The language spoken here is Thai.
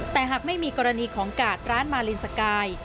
แต่หากไม่มีกรณีของกาดร้านมาลินสกาย